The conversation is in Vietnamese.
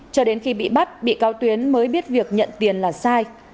cho đến khi bị bắt bị cáo tuyến mới biết việc nhận tiền là sai